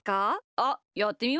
あっやってみます？